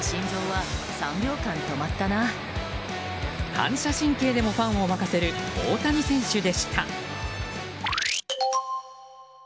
反射神経でもファンを沸かせる大谷選手でした。